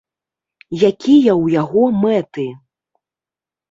Якія ў яго мэты?